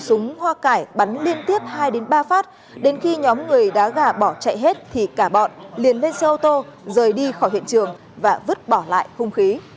súng hoa cải bắn liên tiếp hai ba phát đến khi nhóm người đá gà bỏ chạy hết thì cả bọn liền lên xe ô tô rời đi khỏi hiện trường và vứt bỏ lại hung khí